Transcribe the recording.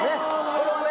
これはね。